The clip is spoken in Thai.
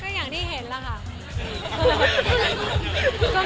ก็อย่างที่เห็นล่ะค่ะ